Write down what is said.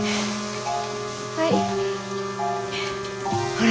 はい。